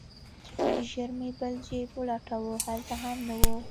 ژر مې بل جيب ولټاوه هلته هم نه و.